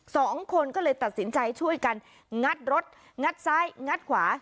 สองคนก็เลยตัดสินใจช่วยกันงัดรถงัดซ้ายงัดขวา